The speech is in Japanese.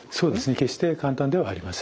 決して簡単ではありません。